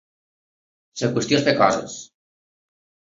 La qüestió és fer coses.